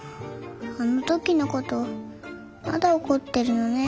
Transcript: あの時のことまだ怒ってるのね。